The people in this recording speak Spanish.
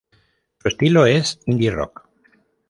Su estilo es Indie rock.